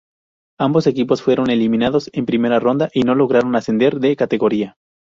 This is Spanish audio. Ambos equipos fueron eliminados en primera ronda y no lograron ascender de categoría.